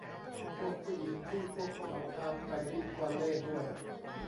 พวกผู้หญิงที่พวกเขาพาไปบิ๊กวัลเลย์ด้วย